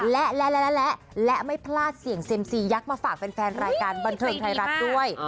และและไม่พลาดเสี่ยงเซ็มซียักษ์มาฝากแฟนรายการบันเทิงไทยรัฐด้วย